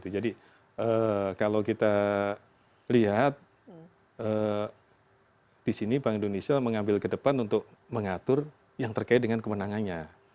jadi kalau kita lihat di sini bank indonesia mengambil ke depan untuk mengatur yang terkait dengan kewenangannya